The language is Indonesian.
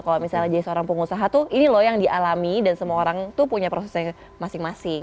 kalau misalnya jadi seorang pengusaha tuh ini loh yang dialami dan semua orang tuh punya prosesnya masing masing